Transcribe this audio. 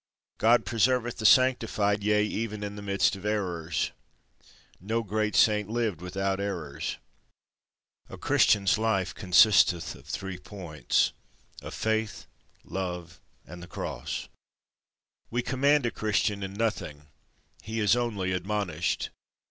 God preserveth the sanctified, yea, even in the midst of errors. No great Saint lived without errors. A Christian's life consisteth of three points—of faith, love, and the cross. We command a Christian in nothing, he is only admonished.